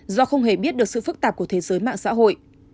do không hề biết được sự phức tạp của thế giới mạng xã hội